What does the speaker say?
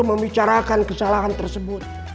membicarakan kesalahan tersebut